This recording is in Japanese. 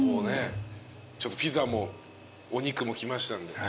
ちょっとピザもお肉も来ましたんで。